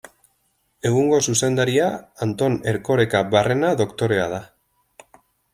Egungo zuzendaria Anton Erkoreka Barrena doktorea da.